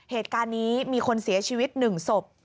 เหตุการณ์นี้มีคนเสียชีวิต๑ศพ